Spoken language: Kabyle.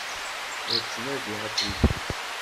La d-ttnadiɣ atriku.